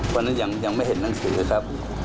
เพราะฉะนั้นยังไม่เห็นนังสือครับ